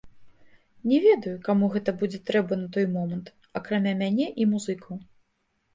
Не ведаю, каму гэта будзе трэба на той момант, акрамя мяне і музыкаў.